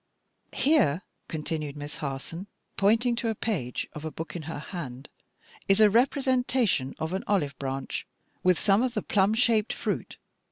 Here," continued Miss Harson, pointing to a page of a book in her hand, "is a representation of an olive branch with some of the plum shaped fruit.